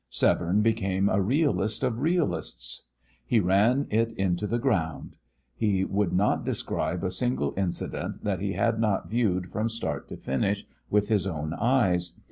Severne became a realist of realists. He ran it into the ground. He would not describe a single incident that he had not viewed from start to finish with his own eyes.